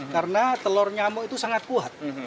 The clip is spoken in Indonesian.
karena telur nyamuk itu sangat kuat